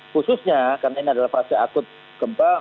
khususnya karena ini adalah fase akut gempa